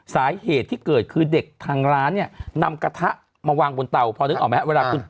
สาเหตุที่เกิดคือเด็กทางร้านเนี่ยนำกระทะมาวางบนเตาพอนึกออกไหมครับเวลาคุณ